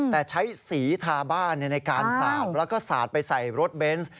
แต่ใช้สีทาบ้านในการสาดแล้วก็สาดไปใส่รถเบนส์